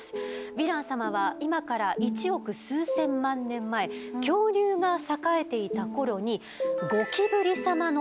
ヴィラン様は今から一億数千万年前恐竜が栄えていた頃にゴキブリ様の祖先から分かれたといわれております。